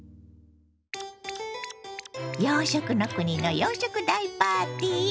洋食の国の洋食大パーティー